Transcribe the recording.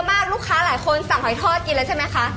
มากลูกค้าหลายคนสั่งหอยทอดกินแล้วใช่ไหมคะ